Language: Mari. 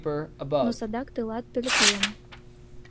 Но садак тылат пӧлеклем.